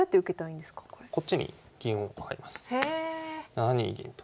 ７二銀と。